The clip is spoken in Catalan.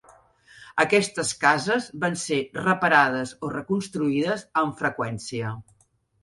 Aquestes cases van ser reparades o reconstruïdes amb freqüència.